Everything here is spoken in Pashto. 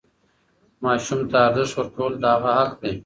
ماسوم ته ارزښت ورکول د هغه حق دی.